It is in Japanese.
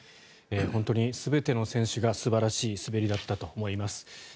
本当に全ての選手が素晴らしい滑りだったと思います。